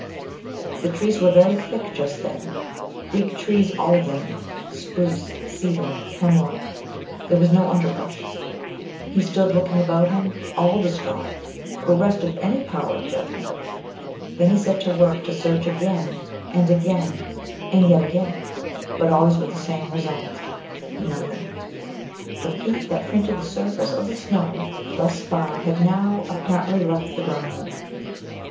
The trees were very thick just there, big trees all of them, spruce, cedar, hemlock; there was no underbrush. He stood, looking about him, all distraught; bereft of any power of judgment. Then he set to work to search again, and again, and yet again, but always with the same result: nothing. The feet that printed the surface of the snow thus far had now, apparently, left the ground!